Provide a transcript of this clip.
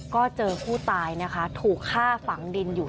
ก็เจอผู้ตายนะคะถูกฆ่าฝังดินอยู่